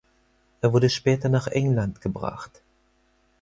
Er wurde später nach England gebracht.